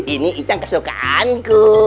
ini ikan kesukaanku